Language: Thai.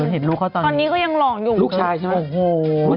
เห็นลูกเขาตอนนี้ลูกชายใช่ไหมลูกชายตอนนี้ก็ยังหล่ออยู่